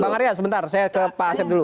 bang arya sebentar saya ke pak asep dulu